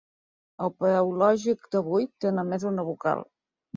El Paraulògic d'avui té només una vocal.